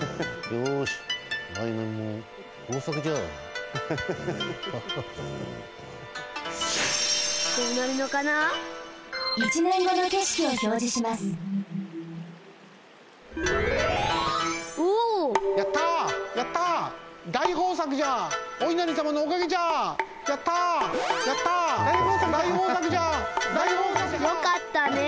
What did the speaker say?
よかったね。